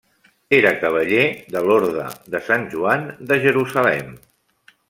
Era cavaller de l'Orde de Sant Joan de Jerusalem.